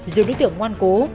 dù đối tượng ngoan cố